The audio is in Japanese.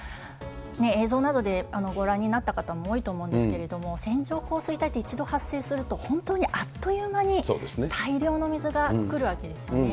映像などでご覧になった方も多いと思うんですけれども、線状降水帯って、一度発生すると、本当にあっという間に大量の水が来るわけですよね。